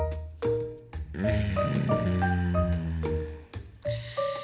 うん。